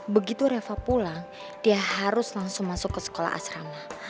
begitu reva pulang dia harus langsung masuk ke sekolah asrama